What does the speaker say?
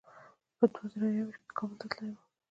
په دوه زره یو ویشت کې کابل ته تللی وم.